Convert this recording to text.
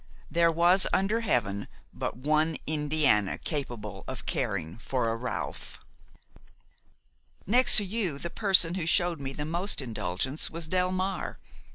There was under Heaven but one Indiana capable of caring for a Ralph. "Next to you the person who showed me the most indulgence was Delmare.